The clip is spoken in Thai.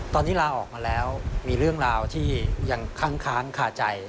ตอนนี้ลาออกมาแล้วมีเรื่องราวที่ยังค้างคาใจ